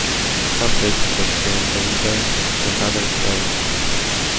Some places get snow in the winter and others don't.